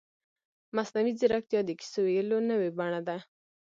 مصنوعي ځیرکتیا د کیسو ویلو نوې بڼه ده.